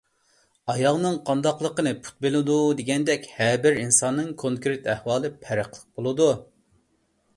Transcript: «ئاياغنىڭ قانداقلىقىنى پۇت بىلىدۇ» دېگەندەك، ھەربىر ئىنساننىڭ كونكرېت ئەھۋالى پەرقلىق بولىدۇ.